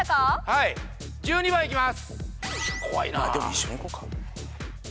はい１２番いきます